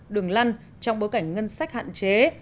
đường lăn trong bối cảnh ngân sách hạn chế